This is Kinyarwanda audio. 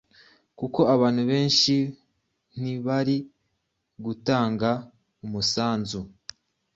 kuko abantu benshi ntibari gutanga umusanzu